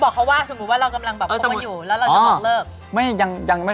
ด้วยอะไรหลายอย่างครับ